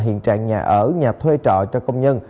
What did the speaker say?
hiện trạng nhà ở nhà thuê trọ cho công nhân